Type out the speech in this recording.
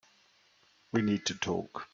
We need to talk.